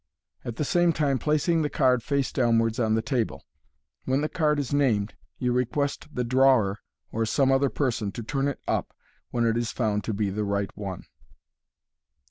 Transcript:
at the same time placing the card face downwards on the table. When the card is named, you request the drawer or some other person to turn it up, when it is found to be the right one.